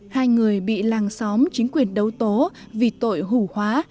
hai người bị làng xóm chính quyền đấu tố vì tội hủ hóa